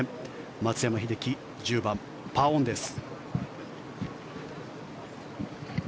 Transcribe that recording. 松山英樹１０番、パーオンです。